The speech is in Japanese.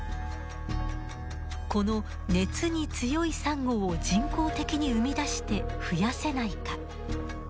この熱に強いサンゴを人工的に生み出して増やせないか。